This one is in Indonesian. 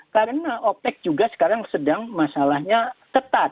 karena opec juga sekarang sedang masalahnya tetat